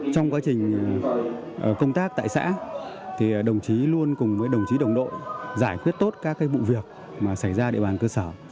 trong quá trình công tác tại xã đồng chí luôn cùng với đồng chí đồng đội giải quyết tốt các vụ việc xảy ra địa bàn cơ sở